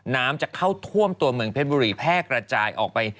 น้ำจะเข้าท่วมตัวเมืองเพชรบุรีแพร่กระจายออกไป